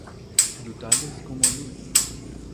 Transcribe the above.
Frutales como Lulo.